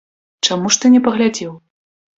Чаму ж ты не паглядзеў?